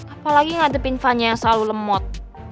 apalagi ngadepin fanya yang selalu lemot